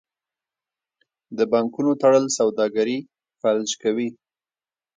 د بانکونو تړل سوداګري فلج کوي.